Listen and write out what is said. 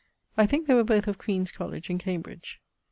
I thinke they were both of Queen's College in Cambridge.